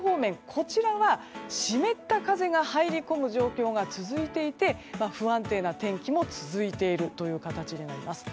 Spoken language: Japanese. こちらは、湿った風が入り込む状況が続いていて不安定な天気も続いている形になります。